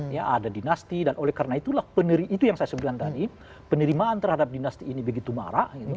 ya ada dinasti dan oleh karena itulah peneri itu yang saya sebutkan tadi penerimaan terhadap dinasti ini begitu marah